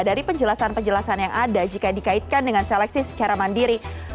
dari penjelasan penjelasan yang ada jika dikaitkan dengan seleksi secara mandiri